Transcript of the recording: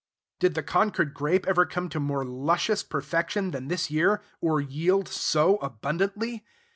Did the Concord Grape ever come to more luscious perfection than this year? or yield so abundantly?